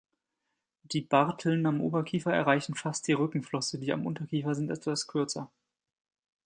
Die Barteln am Oberkiefer erreichen fast die Rückenflosse, die am Unterkiefer sind etwas kürzer.